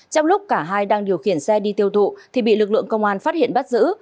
trong lúc cả hai đang điều khiển xe đi tiêu thụ thì bị lực lượng công an phát hiện bắt giữ